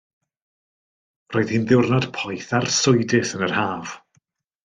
Roedd hi'n ddiwrnod poeth arswydus yn yr haf.